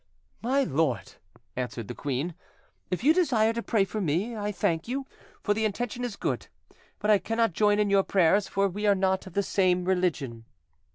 "My lord," the queen answered, "if you desire to pray for me, I thank you, for the intention is good; but I cannot join in your prayers, for we are not of the same religion."